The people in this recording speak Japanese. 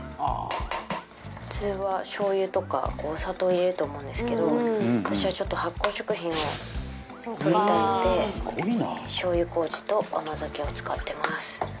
普通はしょう油とかお砂糖を入れると思うんですけど私はちょっと発酵食品をとりたいのでしょう油麹と甘酒を使ってます。